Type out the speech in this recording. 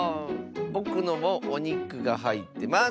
ぼくのもおにくがはいってます！